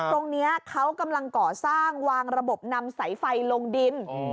ตรงนี้เขากำลังก่อสร้างวางระบบนำสายไฟลงดิน